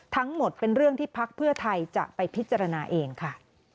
ทั้งหมดเป็นเรื่องที่พักเพื่อไทยจะไปพิจารณาเองค่ะ